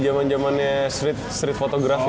jaman jamannya street street photography